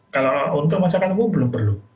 kalau untuk masyarakat umum belum perlu